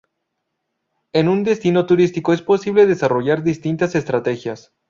En un destino turístico es posible desarrollar distintas estrategias.